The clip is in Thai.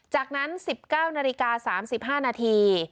จากนั้น๑๙นาฬิกา๓๕นาที